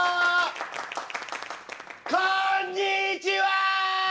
こんにちは！